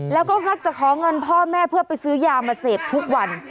แล้วก็มักจะขอเงินพ่อแม่เพื่อไปซื้อยามาเสพทุกวัน